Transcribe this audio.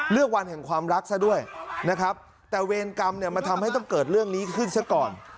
วันแห่งความรักซะด้วยนะครับแต่เวรกรรมเนี่ยมันทำให้ต้องเกิดเรื่องนี้ขึ้นซะก่อน